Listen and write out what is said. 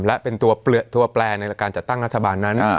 และเป็นตัวแปลในการจัดตั้งรัฐบาลนั้น